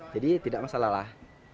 jadi tidak masalah lah